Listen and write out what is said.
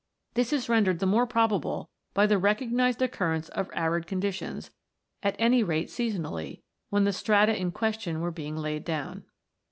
This is rendered the more probable by the recognised occurrence of arid conditions, at any rate seasonally, when the strata in question were being laid down.